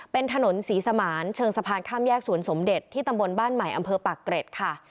เป็นถนนศรีสมานเชิงสะพานข้ามแยกสวนสมเด็จที่ตำบลบ้านใหม่อำเภอปากเกร็ดค่ะ